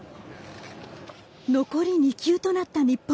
残り２球となった日本。